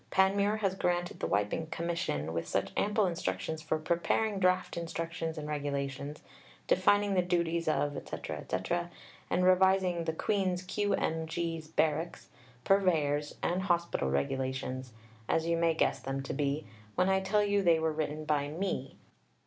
Panmure has granted the wiping "Commission" with such ample instructions for "preparing draft Instructions and Regulations," defining the duties of etc., etc., and revising the "Queen's Q.M.G's., Barracks', Purveyor's and Hospital Regulations," as you may guess them to be, when I tell you they were written by me....